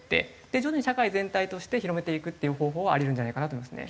徐々に社会全体として広めていくっていう方法はあり得るんじゃないかなと思いますね。